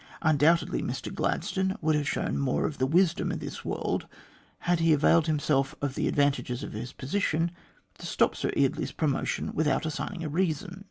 Undoubtedly, Mr Gladstone would have shown more of the wisdom of this world had he availed himself of the advantages of his position to stop Sir Eardley's promotion without assigning a reason.